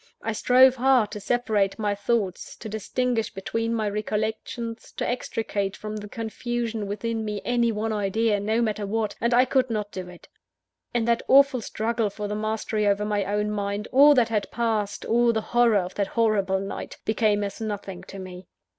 I strove hard to separate my thoughts; to distinguish between my recollections; to extricate from the confusion within me any one idea, no matter what and I could not do it. In that awful struggle for the mastery over my own mind, all that had passed, all the horror of that horrible night, became as nothing to me.